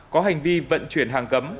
có hành vi vận chuyển hàng cấm